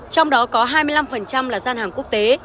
trong đó có hai mươi năm là gian hàng quốc tế